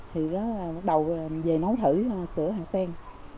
thì đó bắt đầu về nấu thử sữa hạt sen